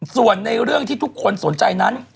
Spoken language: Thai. ส่วนในเรื่องที่ทุกคนสนใจนั้น